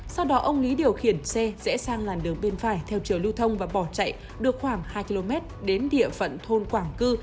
sau đó ông lý điều khiển xe rẽ sang làn đường bên phải theo chiều lưu thông và bỏ chạy được khoảng hai km đến địa phận thôn quảng cư